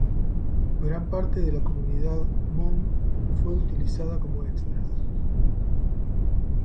Gran parte de la comunidad Hmong fue utilizada como extras.